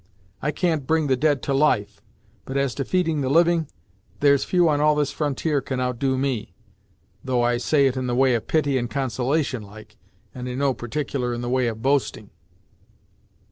I can't bring the dead to life, but as to feeding the living, there's few on all this frontier can outdo me, though I say it in the way of pity and consolation, like, and in no particular, in the way of boasting."